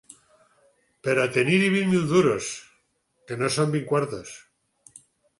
Però tenir-hi vint mil duros, que no són vint quartos